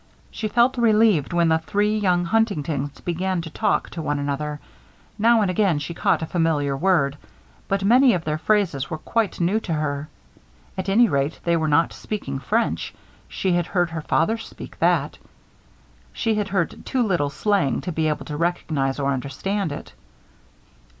She felt relieved when the three young Huntingtons began to talk to one another. Now and again she caught a familiar word; but many of their phrases were quite new to her. At any rate, they were not speaking French; she had heard her father speak that. She had heard too little slang to be able to recognize or understand it.